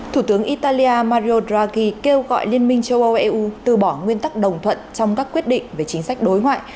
thủ tướng italia madu dragi kêu gọi liên minh châu âu eu từ bỏ nguyên tắc đồng thuận trong các quyết định về chính sách đối ngoại